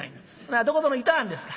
「ならどこぞのいとはんですか？